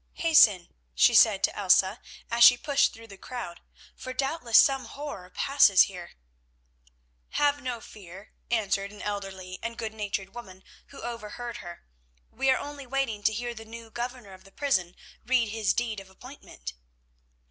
"Hasten," she said to Elsa, as she pushed through the crowd, "for doubtless some horror passes here." "Have no fear," answered an elderly and good natured woman who overheard her, "we are only waiting to hear the new governor of the prison read his deed of appointment."